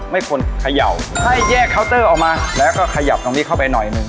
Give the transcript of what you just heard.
ไม่ควรเขย่าให้แยกเคาน์เตอร์ออกมาแล้วก็ขยับตรงนี้เข้าไปหน่อยหนึ่ง